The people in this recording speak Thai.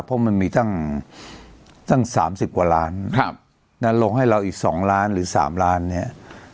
เพราะมันมีตั้ง๓๐กว่าล้านลงให้เราอีก๒ล้านหรือ๓ล้านเนี่ย